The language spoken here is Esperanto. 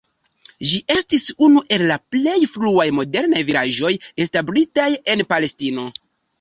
Ĝi estis unu el la plej fruaj modernaj vilaĝoj establitaj en Palestino.